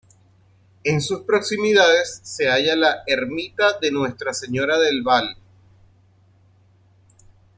En sus proximidades se halla la Ermita de Nuestra Señora del Val.